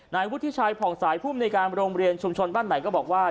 วุฒิชัยผ่องสายภูมิในการโรงเรียนชุมชนบ้านไหนก็บอกว่า